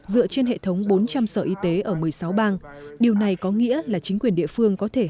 dựa trên hệ thống bốn trăm linh sở y tế ở một mươi sáu bang điều này có nghĩa là chính quyền địa phương có thể